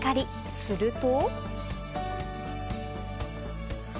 すると。